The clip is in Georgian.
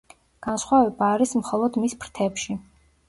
განსხვავება არის მხოლოდ მის ფრთებში.